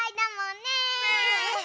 ねえ！